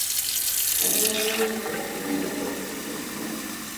Animando antes del partido, en la media parte y en los tiempos muertos.